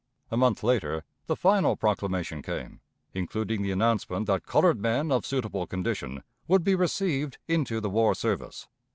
A month later the final proclamation came, including the announcement that colored men of suitable condition would be received into the war service.